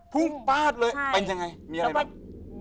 ฟาดเลยเป็นยังไงมีอะไรบ้าง